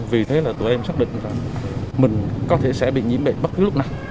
vì thế là tụi em xác định rằng mình có thể sẽ bị nhiễm bệnh bất cứ lúc nào